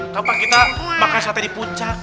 tanpa kita makan sate di puncak